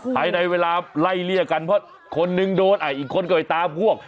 ภายในเวลาไล่เลี่ยกันเพราะคนนึงโดนอีกคนก็ไปตามพวก